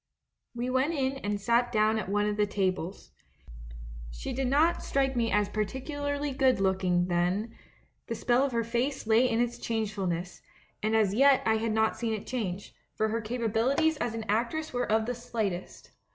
"We went in and sat down at one of the tables. She did not strike me as particularly good look ing then; the spell of her face lay in its change fulness, and as yet I had not seen it change, for her capabilities as an actress were of the slight est.